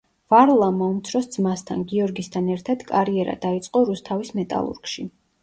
ვარლამმა უმცროს ძმასთან, გიორგისთან ერთად კარიერა დაიწყო რუსთავის „მეტალურგში“.